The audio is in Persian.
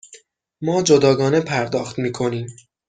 ما جداگانه پرداخت می کنیم.